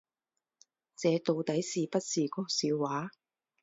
这到底是不是个笑话